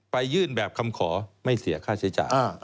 ยื่นแบบคำขอไม่เสียค่าใช้จ่าย